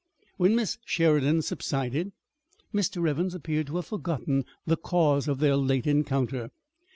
When Miss Sheridan subsided, Mr. Evans appeared to have forgotten the cause of their late encounter.